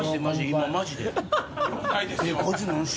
今マジで。